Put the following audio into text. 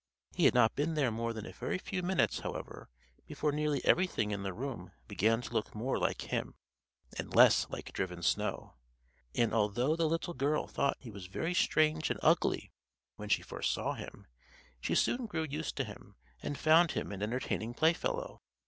He had not been there more than a very few minutes, however, before nearly everything in the room began to look more like him and less like driven snow: and although the little girl thought that he was very strange and ugly when she first saw him, she soon grew used to him, and found him an entertaining playfellow.